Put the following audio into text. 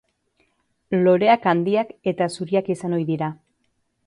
Loreak handiak eta zuriak izan ohi dira.